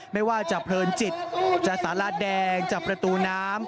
ไม่ว่าจะเพลินจิตจะสาราแดงจะประตูน้ำ